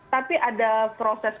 tapi ada proses